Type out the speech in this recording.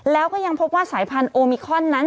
แล้วก็ยังพบว่าสายพันธุมิคอนนั้น